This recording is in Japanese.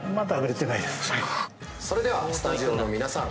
それではスタジオの皆さん